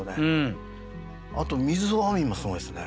あと「水を編み」もすごいですね。